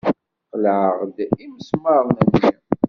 Qelɛeɣ-d imesmaṛen-nni.